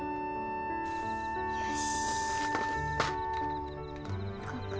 よし。